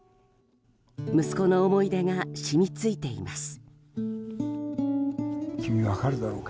息子の思い出が染みついています。